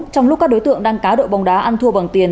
trong lúc các đối tượng đang cá độ bóng đá ăn thua bằng tiền